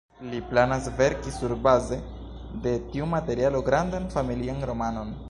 Li planas verki surbaze de tiu materialo grandan familian romanon.